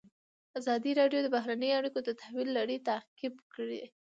ازادي راډیو د بهرنۍ اړیکې د تحول لړۍ تعقیب کړې.